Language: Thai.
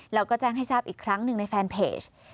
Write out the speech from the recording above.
แล้วก็แจ้งให้ทราบอีกครั้งหนึ่งในแฟนเพจ